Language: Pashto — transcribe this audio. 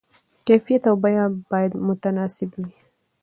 کیفیت او بیه باید متناسب وي.